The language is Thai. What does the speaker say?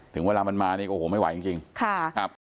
ถึงเวลามันมานี่โอ้โหไม่ไหวจริงค่ะครับ